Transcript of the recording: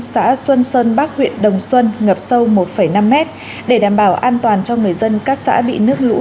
xã xuân sơn bắc huyện đồng xuân ngập sâu một năm mét để đảm bảo an toàn cho người dân các xã bị nước lũ